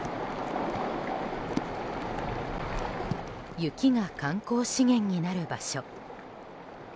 雪が観光資源になる場所。